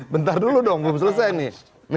bentar dulu dong belum selesai nih